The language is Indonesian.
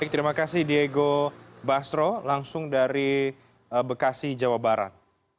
terima kasih diego basro langsung dari bekasi jawa barat